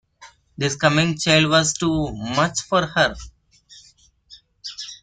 This coming child was too much for her.